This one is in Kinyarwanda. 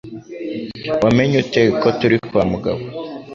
Wamenye ute ko turi kwa Mugabo?